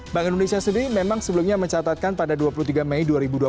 bank indonesia sendiri memang sebelumnya mencatatkan pada dua puluh tiga mei dua ribu dua puluh